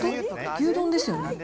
牛丼ですよね？